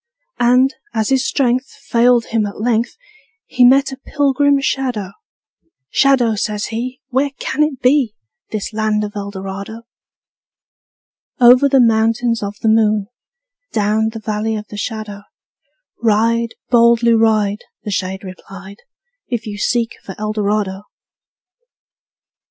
And, as his strength Failed him at length, He met a pilgrim shadow: ``Shadow,'' says he, ``Where can it be, This land of Eldorado?'' Over the Mountains Of the Moon, Down the Valley of the Shadow, Ride, boldly ride,'' The shade replied, ``If you seek for Eldorado!''